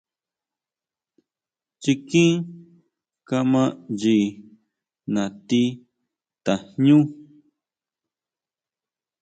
Chikín kama ʼnyi natí tajñú.